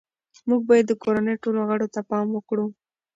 موږ باید د کورنۍ ټولو غړو ته پام وکړو